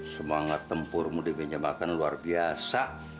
semangat tempurmu di pinjam makan luar biasa